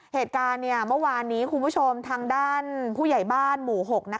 เหตุการณ์เมื่อวานนี้คุณผู้ชมทางด้านผู้ใหญ่บ้านหมู่๖